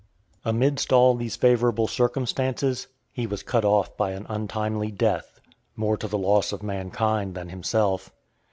X. Amidst all these favourable circumstances, he was cut off by an untimely death, more to the loss of mankind than himself.